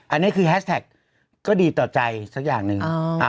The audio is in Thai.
อันนี้คือแฮสแท็กก็ดีต่อใจสักอย่างหนึ่ง